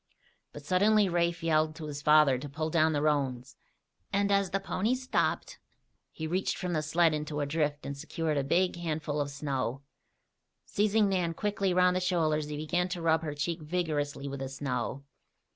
But suddenly Rafe yelled to his father to pull down the roans, and as the ponies stopped, he reached from the sled into a drift and secured a big handful of snow. Seizing Nan quickly around the shoulders he began to rub her cheek vigorously with the snow.